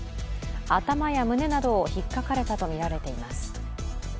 頭や胸などをひっかれたとみられています。